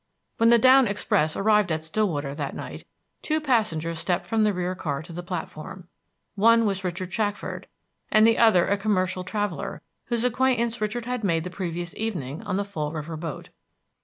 XXIII When the down express arrived at Stillwater, that night, two passengers stepped from the rear car to the platform: one was Richard Shackford, and the other a commercial traveler, whose acquaintance Richard had made the previous evening on the Fall River boat.